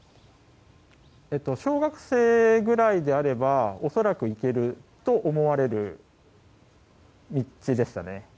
小学生ぐらいであれば恐らく行けると思われる道でしたね。